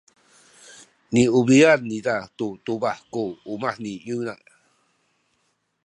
niubi’an niza tu tubah ku umah ni Yona.